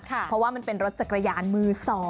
เพราะว่ามันเป็นรถจักรยานมือ๒